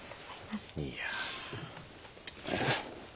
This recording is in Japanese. いや。